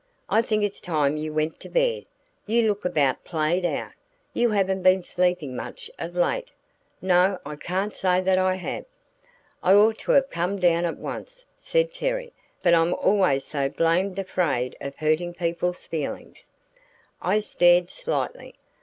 I think it's time you went to bed. You look about played out. You haven't been sleeping much of late?" "No, I can't say that I have." "I ought to have come down at once," said Terry, "but I'm always so blamed afraid of hurting people's feelings." I stared slightly.